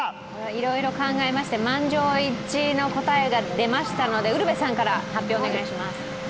いろいろ考えまして満場一致の答えが出ましたのでウルヴェさんからお願いします。